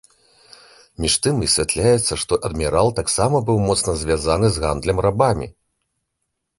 Між тым высвятляецца, што адмірал таксама быў моцна звязаны з гандлем рабамі.